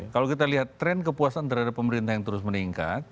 kalau kita lihat tren kepuasan terhadap pemerintah yang terus meningkat